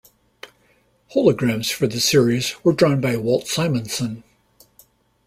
Holograms for the series were drawn by Walt Simonson.